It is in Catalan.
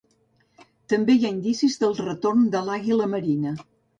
També hi ha indicis del retorn de l'àguila marina.